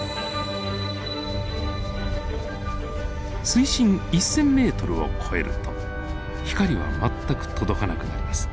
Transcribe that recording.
水深１，０００ｍを超えると光は全く届かなくなります。